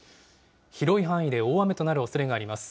広い範囲で大雨となるおそれがあります。